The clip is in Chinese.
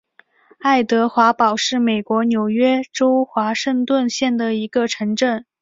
爱德华堡是美国纽约州华盛顿县的一个城镇。